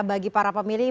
bagi para pemilih